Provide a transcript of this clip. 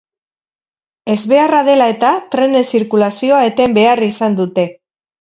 Ezbeharra dela eta trenen zirkulazioa eten behar izan dute.